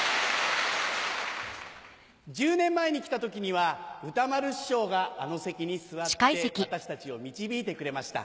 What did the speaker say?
１０年前に来た時には歌丸師匠があの席に座って私たちを導いてくれました。